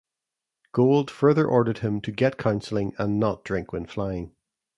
Gold further ordered him to get counseling and not drink when flying.